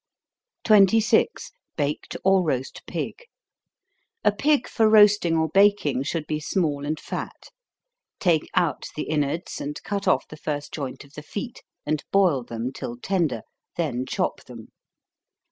26. Baked or Roast Pig. A pig for roasting or baking should be small and fat. Take out the inwards, and cut off the first joint of the feet, and boil them till tender, then chop them.